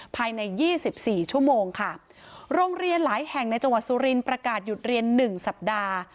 ภายในยี่สิบสี่ชั่วโมงค่ะโรงเรียนหลายแห่งในจังหวัดสุรินประกาศหยุดเรียนหนึ่งสัปดาห์